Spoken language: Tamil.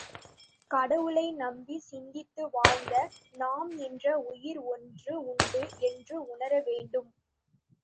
கடவுளை நம்பிச் சிந்தித்து வாழ்த்த, நாம் என்ற உயிர் ஒன்று உண்டு என்று உணர வேண்டும்.